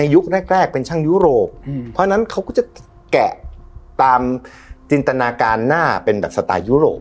ยุคแรกเป็นช่างยุโรปเพราะฉะนั้นเขาก็จะแกะตามจินตนาการหน้าเป็นแบบสไตล์ยุโรป